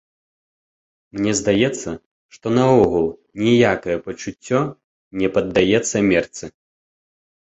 Мне здаецца, што наогул ніякае пачуццё не паддаецца мерцы.